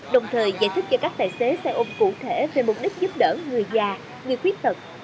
đồng thời giải thích cho các tài xế xe ôm cụ thể về mục đích giúp đỡ người già người khuyết tật